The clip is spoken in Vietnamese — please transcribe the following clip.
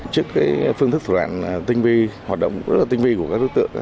trước phương thức thủ đoạn tinh vi hoạt động rất là tinh vi của các đối tượng